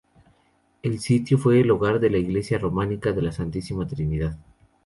El sitio fue el hogar de la iglesia románica de la Santísima Trinidad.